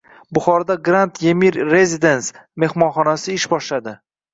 Buxoroda “Grand Yemir Residence” mehmonxonasi ish boshladi